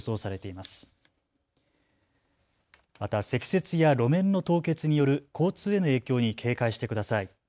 また積雪や路面の凍結による交通への影響に警戒してください。